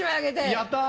やった！